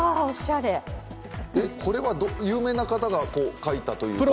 これは有名な方が描いたというか？